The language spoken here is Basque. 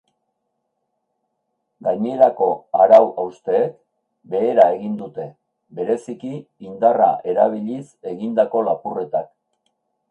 Gainerako arau-hausteek behera egin dute, bereziki indarra erabiliz egindako lapurretak.